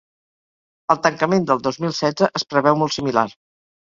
El tancament del dos mil setze es preveu molt similar.